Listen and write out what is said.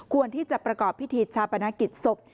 ที่จะประกอบพิธีชาปนกิจศพ